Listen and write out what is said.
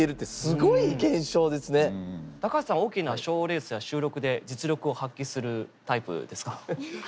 大きな賞レースや収録で実力を発揮するタイプですか？